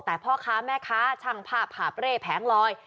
แต่พ่อค้าแม่ค้าช่างภาพหาบเร่แผงลอย